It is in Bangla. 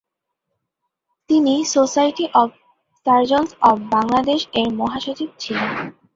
তিনি Society of Surgeons of Bangladesh -এর মহাসচিব ছিলেন।